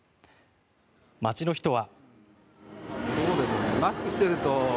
街の人は。